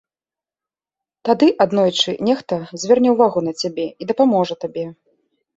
Тады аднойчы нехта зверне ўвагу на цябе і дапаможа табе.